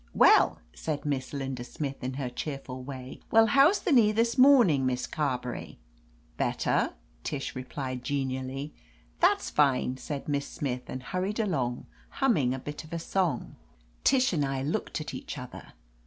"Well," said Miss Linda Smith, in her cheer ful way, "well, how's the knee this morning. Miss Carberry?" "Better," Tish replied genially. "That's fine," said Miss Smith and hurried ilong, humming a bit of a song. Tish and I 82 OF LETITIA CARBERRY looked at each other.